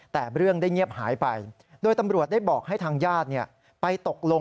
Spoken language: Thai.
แต่เรื่องได้เงียบหายไป